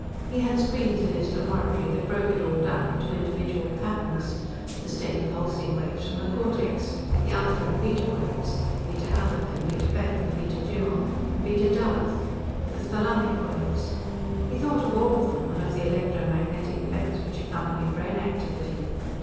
He had screens in his laboratory that broke it all down into individual patterns the steady pulsing waves from the cortex, the alpha and beta waves; beta aleph and beta beth and beta gimel and beta daleth. The thalamic waves. He thought of all of them, and of the electromagnetic events which accompanied brain activity.